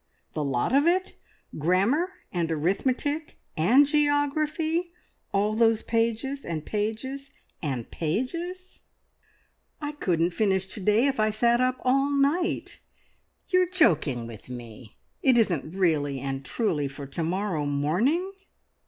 The lot of it? Grammar, and arithmetic, and geography? All those pages, an' pages, and pages! I couldn't finish to day if I sat up all night! You're joking with me! It isn't really and truly for to morrow morning?"